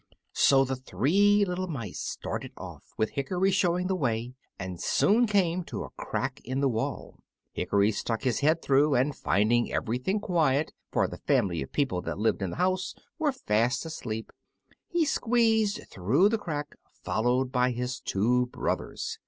So the three little mice started off, with Hickory showing the way, and soon came to a crack in the wall. Hickory stuck his head through, and finding everything quiet, for the family of people that lived in the house were fast asleep, he squeezed through the crack, followed by his two brothers.